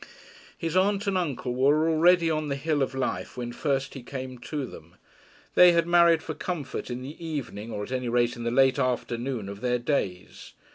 His aunt and uncle were already high on the hill of life when first he came to them. They had married for comfort in the evening or at any rate in the late afternoon of their days.